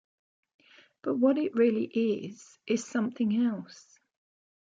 But what it really is is something else.